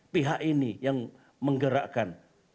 pihak ini yang menggerakkan